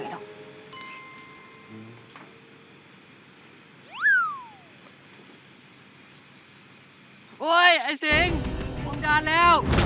โอ๊ยไอ้สิงผมจานแล้ว